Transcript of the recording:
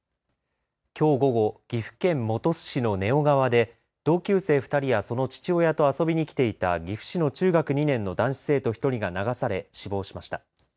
きょう午後岐阜県本巣市の根尾川で同級生２人やその父親と遊びに来ていた岐阜市の中学２年の男子生徒１人が流され死亡しました。